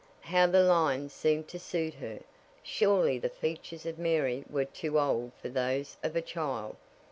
How the lines seemed to suit her! Surely the features of Mary were too old for those of a child.